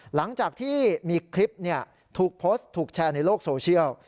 หลังจากที่มีคลิปถูกโพสต์ถูกแชร์ในโลกโซเชียล